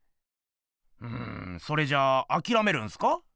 んそれじゃあきらめるんすか？